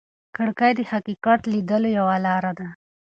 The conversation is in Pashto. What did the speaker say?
کړکۍ د حقیقت لیدلو یوه لاره ده.